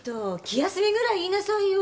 気休めぐらい言いなさいよ！